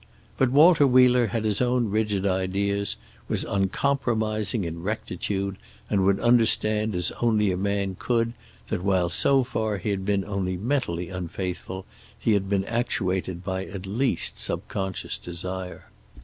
But Walter Wheeler had his own rigid ideas, was uncompromising in rectitude, and would understand as only a man could that while so far he had been only mentally unfaithful, he had been actuated by at least subconscious desire.